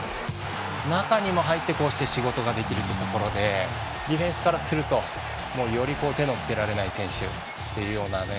中にも入ってこうして仕事ができるというところでディフェンスからするとより手のつけられない選手というようなね